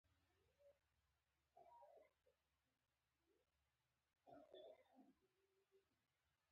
ستا غاښونه څو دي.